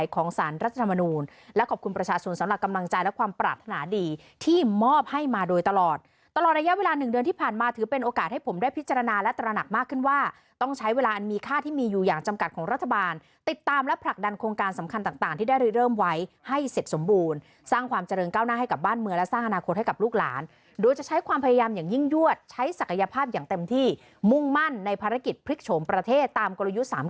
คือเป็นโอกาสให้ผมได้พิจารณาและตระหนักมากขึ้นว่าต้องใช้เวลาอันมีค่าที่มีอยู่อย่างจำกัดของรัฐบาลติดตามและผลักดันโครงการสำคัญต่างที่ได้เริ่มไว้ให้เสร็จสมบูรณ์สร้างความเจริญก้าวหน้าให้กับบ้านเมืองและสร้างอนาคตให้กับลูกหลานโดยจะใช้ความพยายามอย่างยิ่งยวดใช้ศักยภาพอย่างเต็